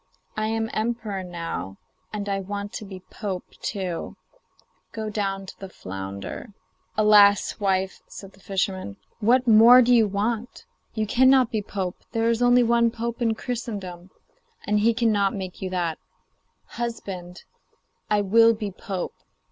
I am emperor now, and I want to be pope too; go down to the flounder.' 'Alas! wife,' said the fisherman, 'what more do you want? You cannot be pope; there is only one pope in Christendom, and he cannot make you that.' 'Husband,' she said, 'I will be pope.